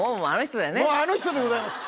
もうあの人でございます